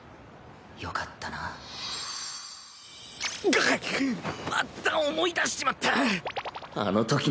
がっ！また思い出しちまった。